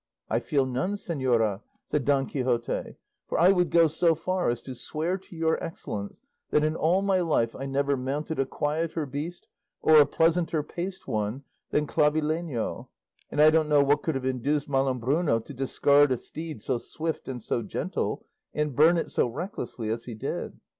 "I feel none, señora," said Don Quixote, "for I would go so far as to swear to your excellence that in all my life I never mounted a quieter beast, or a pleasanter paced one, than Clavileño; and I don't know what could have induced Malambruno to discard a steed so swift and so gentle, and burn it so recklessly as he did."